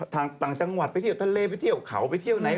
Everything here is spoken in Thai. ต่างจังหวัดไปเที่ยวทะเลไปเที่ยวเขาไปเที่ยวไหน